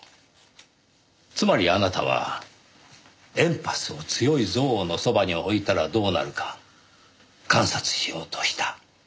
つまりあなたはエンパスを強い憎悪のそばに置いたらどうなるか観察しようとした。